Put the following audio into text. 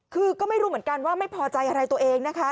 คือก็ไม่รู้เหมือนกันว่าไม่พอใจอะไรตัวเองนะคะ